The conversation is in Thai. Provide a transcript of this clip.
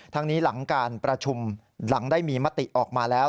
ทั้งนี้หลังการประชุมหลังได้มีมติออกมาแล้ว